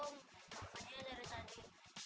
makanya dari tadi